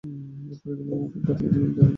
এগুলি পরস্পরের খুব কাছাকাছি নির্মিত হয়েছিল।